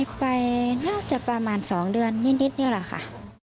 ไปน่าจะประมาณ๒เดือนนิดนี่แหละค่ะ